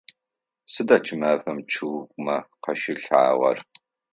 Сыда кӏымафэм чъыгымэ къащилъагъэр?